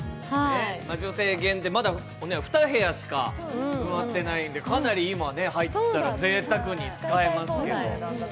女性限定、まだ２部屋しか埋まっていないんで、かなり今入ったら、ぜいたくに使えますけど。